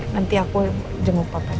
nanti aku denger papa dulu